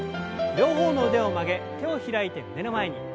両方の腕を曲げ手を開いて胸の前に。